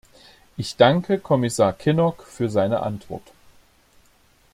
Ich danke Kommissar Kinnock für seine Antwort.